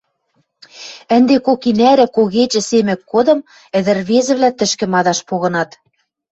Ӹнде кок и нӓрӹ когечӹ, семӹк годым ӹдӹр-ӹрвезӹвлӓ тӹшкӹ мадаш погынат.